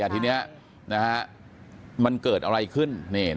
แต่ทีนี้มันเกิดอะไรขึ้น